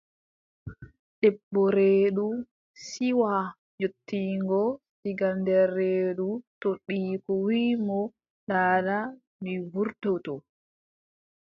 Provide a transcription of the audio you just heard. Debbo reedu, siwaa yottingo, diga nder reedu ton ɓiyiiko wiʼi mo: daada mi wurtoto.